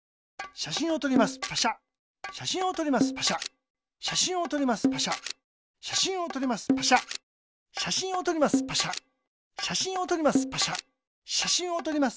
しゃしんをとります。